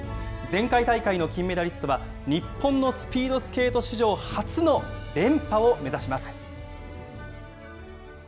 前回大会の金メダリストは、日本のスピードスケート史上初の連覇を目指します。